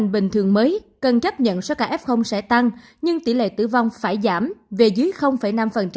bình thường mới cần chấp nhận số ca f sẽ tăng nhưng tỷ lệ tử vong phải giảm về dưới năm